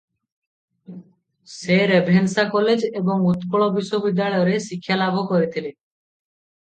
ସେ ରେଭେନ୍ସା କଲେଜ ଏବଂ ଉତ୍କଳ ବିଶ୍ୱବିଦ୍ୟାଳୟରେ ଶିକ୍ଷାଲାଭ କରିଥିଲେ ।